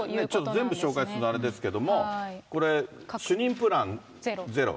ちょっと全部紹介するのあれですけども、これ、主任プランゼロ。